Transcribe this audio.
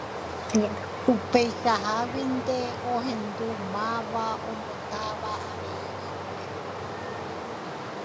Upeichaháguinte ohendu máva ombotáva avei ikupépe.